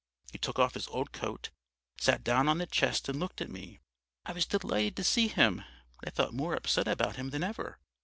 He took off his old coat, sat down on the chest and looked at me. I was delighted to see him, but I felt more upset about him than ever.